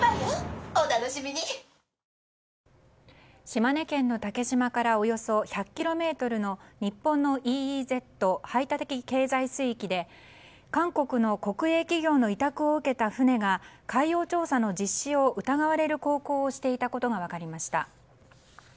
島根県の竹島からおよそ１００ｋｍの日本のＥＥＺ・排他的経済水域で韓国の国営企業の委託を受けた船が海洋調査の実施を疑われる航行をしていたことが分かりました。